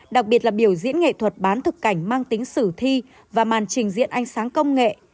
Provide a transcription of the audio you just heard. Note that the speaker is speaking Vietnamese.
đặc biệt là biểu diễn nghệ thuật bán thực cảnh mang tính sử thi và màn trình diễn ánh sáng công nghệ